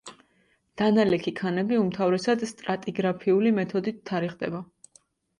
დანალექი ქანები უმთავრესად სტრატიგრაფიული მეთოდით თარიღდება.